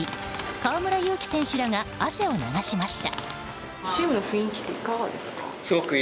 河村勇輝選手らが汗を流しました。